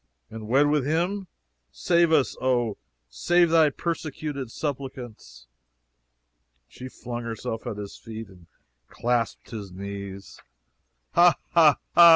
and wed with him! Save us, O, save thy persecuted suppliants!" She flung herself at his feet and clasped his knees. "Ha! ha! ha!"